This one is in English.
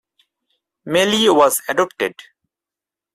Miley was adopted.